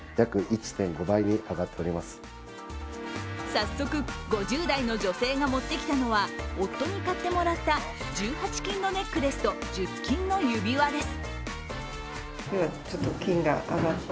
早速、５０代の女性が持ってきたのは夫に買ってもらった１８金のネックレスと１０金の指輪です。